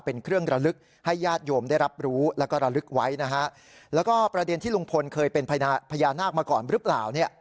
เป็นเครื่องระลึกให้ญาติโยมได้รับรู้แล้วก็ระลึกไว้นะฮะแล้วก็ประเด็นที่ลุงพลเคยเป็นพญานาคมาก่อนหรือเปล่าเนี่ย